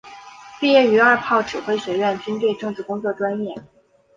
毕业于二炮指挥学院军队政治工作专业。